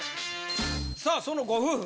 さあそのご夫婦。